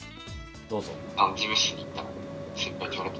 どうぞ。